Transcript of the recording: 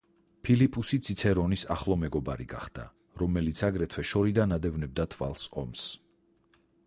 ფილიპუსი ციცერონის ახლო მეგობარი გახდა, რომელიც, აგრეთვე, შორიდან ადევნებდა თვალს ომს.